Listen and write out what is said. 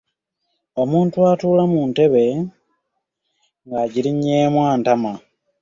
Omuntu atuula mu ntebe ng’agirinnyeemu antama.